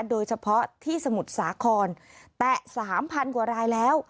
โดยเฉพาะที่สมุทรสาครแตะ๓๐๐กว่ารายแล้ว